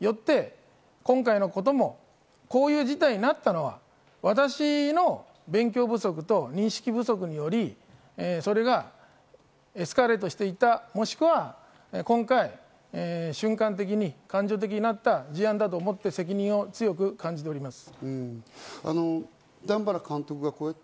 よって今回のこともこういう事態になったのは私の勉強不足と認識不足により、それがエスカレートしていった、もしくは今回、瞬間的に感情的になった事案だと思って責任を強く感じております。